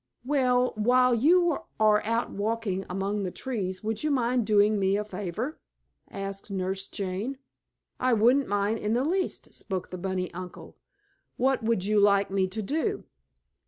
"Well, while you are out walking among the trees would you mind doing me a favor?" asked Nurse Jane. "I wouldn't mind in the least," spoke the bunny uncle. "What would you like me to do?"